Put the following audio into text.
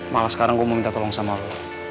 malah sekarang gue mau minta tolong sama lo